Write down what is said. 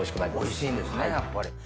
おいしいんですねやっぱり。